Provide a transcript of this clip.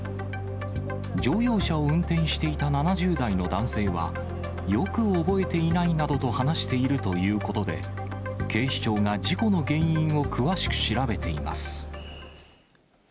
乗用車を運転していた７０代の男性は、よく覚えていないなどと話しているということで、警視庁が事故の原因を詳しく調べています。